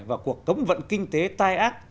và cuộc tống vận kinh tế tai ác